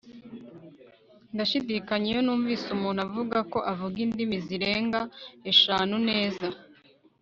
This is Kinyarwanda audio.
Ndashidikanya iyo numvise umuntu avuga ko avuga indimi zirenga eshanu neza